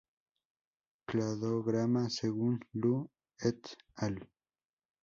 Cladograma según Lü "et al.